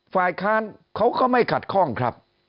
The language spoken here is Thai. ฝ่ายค้านเขาก็ไม่ขัดข้องครับ